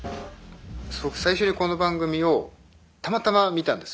最初にこの番組をたまたま見たんです。